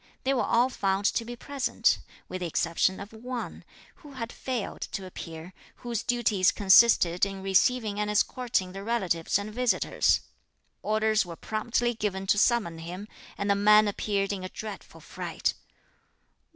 They were all found to be present, with the exception of one, who had failed to appear, whose duties consisted in receiving and escorting the relatives and visitors. Orders were promptly given to summon him, and the man appeared in a dreadful fright.